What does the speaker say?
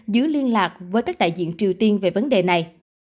giữ liên lạc với các đại diện triều tiên về vấn đề này